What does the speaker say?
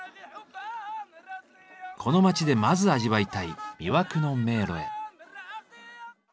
この町でまず味わいたい「魅惑の迷路」へ。